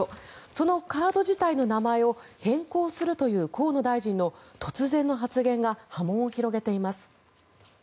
そのカード自体の名前を変更するという、河野大臣の突然の発言が波紋を広げています。